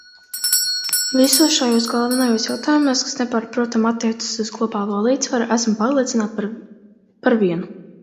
Visos šajos galvenajos jautājumos, kas nepārprotami attiecas uz globālo līdzsvaru, esmu pārliecināta par vienu.